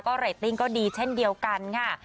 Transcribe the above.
ก็ไลฟ์ติ้งก็ดีเช่นเดียวกันค่ะ